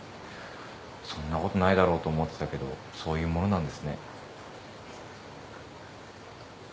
そんなことないだろうと思ってたけどそういうものなんですね。